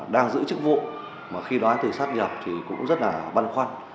đang giữ chức vụ mà khi nói từ sắp nhập thì cũng rất là băn khoăn